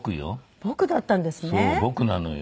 「僕」なのよ。